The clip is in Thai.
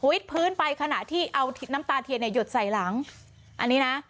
พื้นไปขณะที่เอาน้ำตาเทียนเนี่ยหยดใส่หลังอันนี้นะ